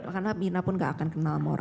karena mirna pun gak akan kenal sama orang itu